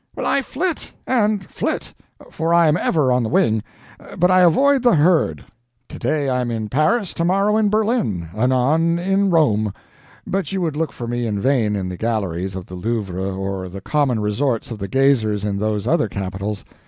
I flit and flit for I am ever on the wing but I avoid the herd. Today I am in Paris, tomorrow in Berlin, anon in Rome; but you would look for me in vain in the galleries of the Louvre or the common resorts of the gazers in those other capitals.